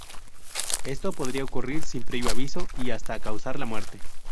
Esto podría ocurrir sin previo aviso y hasta causar la muerte.